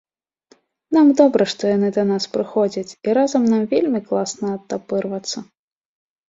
Нам добра што яны да нас прыходзяць, і разам нам вельмі класна адтапырвацца.